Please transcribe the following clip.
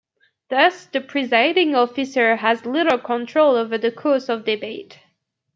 Thus, the presiding officer has little control over the course of debate.